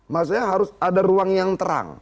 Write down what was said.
maksudnya harus ada ruang yang terang